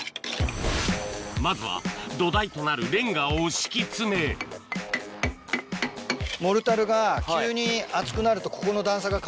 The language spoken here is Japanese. まずは土台となるレンガを敷き詰めそう。